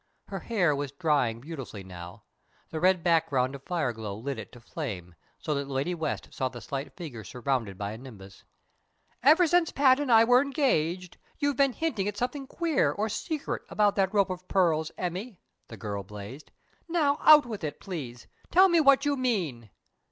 Her hair was drying beautifully now. The red background of fireglow lit it to flame, so that Lady West saw the slight figure surrounded by a nimbus. "Ever since Pat and I were engaged, you've been hinting at something queer, or secret, about that rope of pearls, Emmy," the girl blazed. "Now, out with it, please! Tell me what you mean."